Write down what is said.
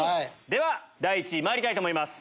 では第１位まいりたいと思います。